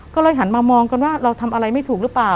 ก็เลยหันมามองกันว่าเราทำอะไรไม่ถูกหรือเปล่า